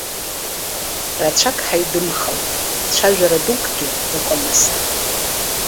Рацәак ҳаидымхалт, цәажәара дукгьы ыҟамызт.